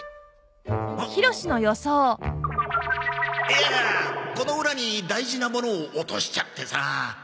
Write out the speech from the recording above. いやあこのウラに大事なものを落としちゃってさ。